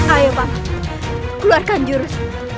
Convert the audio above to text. ayo bang keluarkan jurus